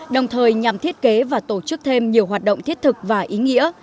đồng thời nhằm thiết kế và tổ chức thêm nhiều hoạt động thiết thực và ý nghĩa